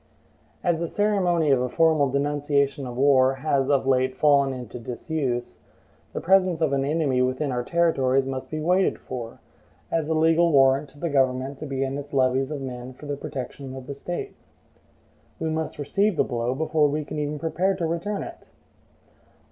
As the ceremony of a formal denunciation of war has of late fallen into disuse, the presence of an enemy within our territories must be waited for, as the legal warrant to the government to begin its levies of men for the protection of the State. We must receive the blow, before we could even prepare to return it.